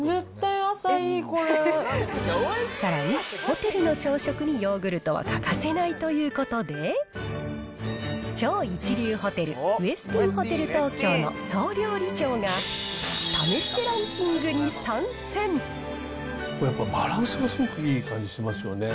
さらに、ホテルの朝食にヨーグルトは欠かせないということで、超一流ホテル、ウェスティンホテル東京の総料理長が、これやっぱバランスがすごくいい感じしますよね。